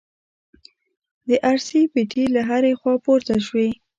د ارسي پټې له هرې خوا پورته شوې.